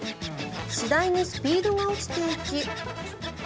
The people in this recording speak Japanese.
次第にスピードが落ちていき。